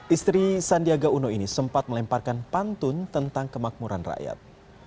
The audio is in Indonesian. istri sandiaga uno ini sempat melemparkan pantun tentang kemakmuran rakyat